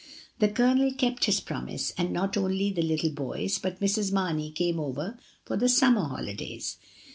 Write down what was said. The Colonel kept his promise, and, not only the little boys, but Mrs. Mamey came over for the summer holidays.